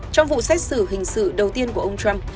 trong vụ xét xử hình sự đầu tiên của ông trump